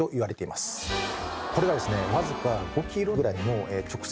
これがですねわずか。